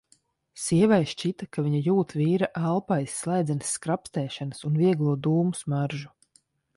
Sievai šķita, ka viņa jūt vīra elpu aiz slēdzenes skrapstēšanas un vieglo dūmu smaržu.